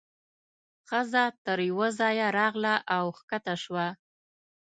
ښځه تر یوه ځایه راغله او کښته شوه.